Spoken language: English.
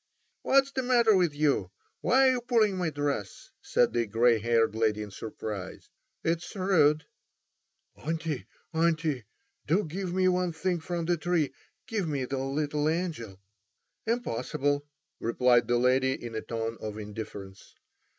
"What's the matter with you? Why are you pulling my dress?" said the grey haired lady in surprise. "It's rude." "Auntie—auntie, do give me one thing from the tree; give me the little angel." "Impossible," replied the lady in a tone of indifference.